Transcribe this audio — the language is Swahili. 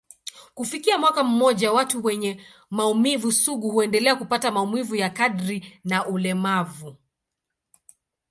Kufikia mwaka mmoja, watu wenye maumivu sugu huendelea kupata maumivu ya kadri na ulemavu.